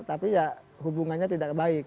tapi ya hubungannya tidak baik